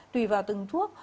tùy vào từng thuốc